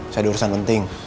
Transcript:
saya diurusan penting